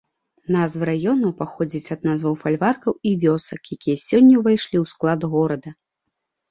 Назвы раёнаў паходзяць ад назваў фальваркаў і вёсак, якія сёння ўвайшлі ў склад горада.